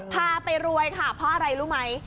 พาไปรวยค่ะเพราะอะไรรู้ไหม